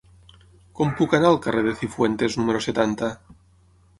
Com puc anar al carrer de Cifuentes número setanta?